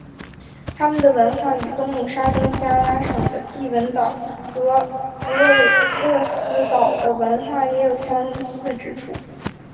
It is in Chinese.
他们的文化与东努沙登加拉省的帝汶岛和弗洛勒斯岛的文化也有相似之处。